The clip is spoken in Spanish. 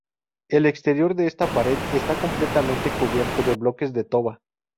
El exterior de esta pared está completamente cubierto de bloques de toba.